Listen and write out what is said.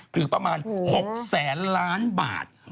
หรือประมาณ๖แสนล้านบาท